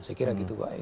saya kira begitu pak